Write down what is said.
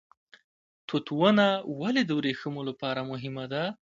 توت ونه ولې د وریښمو لپاره مهمه ده؟